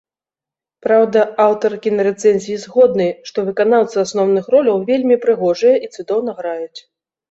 Праўда, аўтар кінарэцэнзіі згодны, што выканаўцы асноўных роляў вельмі прыгожыя і цудоўна граюць.